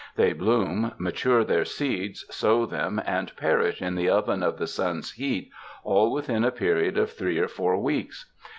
They bloom, mature their seeds, sow them and perish in the oven of the sun's heat, all within a period of three or four weeks.